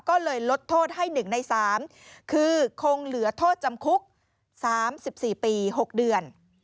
ก็เลยลดโทษให้๑ใน๓คือคงเหลือโทษจำคุก๓๔ปี๖เดือน